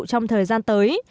trong thời gian tới